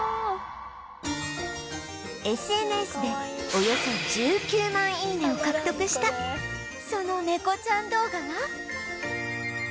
ＳＮＳ でおよそ１９万いいね！を獲得したその猫ちゃん動画が